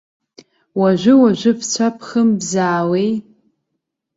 Уажәы-уажәы бцәа бхымбзаауеи?